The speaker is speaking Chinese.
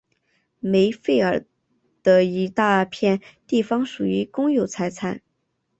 梅费尔的一大片地方属于公有财产。